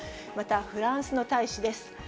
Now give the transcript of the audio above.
またフランスの大使です。